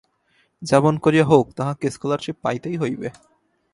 যেমন করিয়া হউক তাহাকে স্কলারশিপ পাইতেই হইবে।